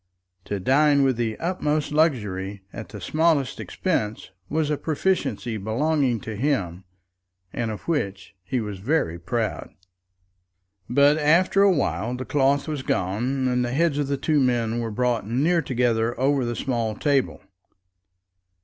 To dine with the utmost luxury at the smallest expense was a proficiency belonging to him, and of which he was very proud. But after a while the cloth was gone, and the heads of the two men were brought near together over the small table.